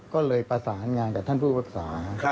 ก็เลยประสานงานกับท่านผู้รักษา